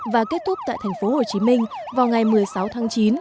và kết thúc tại thành phố hồ chí minh vào ngày một mươi sáu tháng chín